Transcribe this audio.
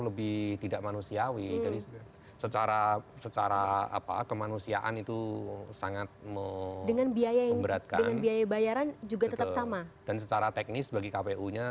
mbak shalini atas informasinya